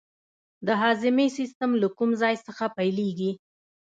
د هاضمې سیستم له کوم ځای څخه پیلیږي